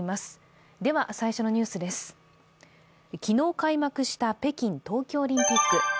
昨日開幕した北京冬季オリンピック。